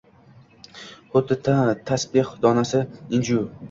Huddi tasbeh donasi, inju